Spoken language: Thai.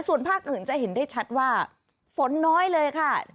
ส่วนภาคอื่นจะเห็นได้ชัดว่าฝนน้อยเลยค่ะ